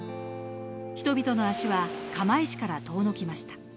人々の足は釜石から遠のきました。